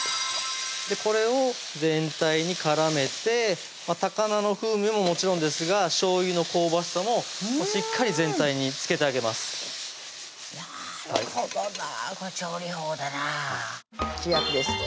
これを全体に絡めて高菜の風味ももちろんですがしょうゆの香ばしさもしっかり全体につけてあげますなるほどなこれ調理法だな主役です